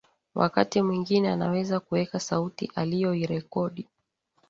wakati mwingine anaweza kuweka sauti aliyoirekodi